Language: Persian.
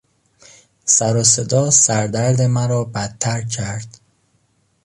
سروصدا سر درد مرا بدتر کرد.